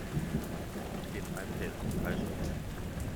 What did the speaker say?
一定 iPad 溫開水